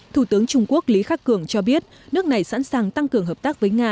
thủ tướng trung quốc lý khắc cường cho biết nước này sẵn sàng tăng cường hợp tác với nga